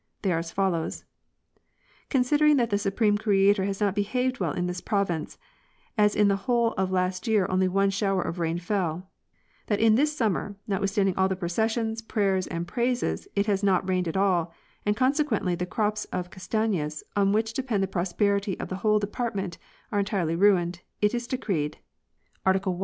They are as follows: 'Considering that the Supreme Creator has not behaved well in this province, as in the whole of last year only one shower of rain fell; that in this summer, notwithstanding all the processions, pr ayers and praises, it has not rained at all, and consequently the crops of Castafias, on which depend the prosperity of the whole department, are entirely ruined, it is decreed: ''Article 1.